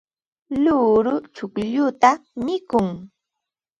luuru chuqlluta mikun.